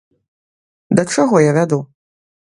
Да чаго я вяду?